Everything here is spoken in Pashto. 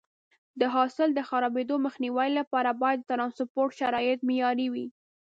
د حاصل د خرابېدو مخنیوي لپاره باید د ټرانسپورټ شرایط معیاري وي.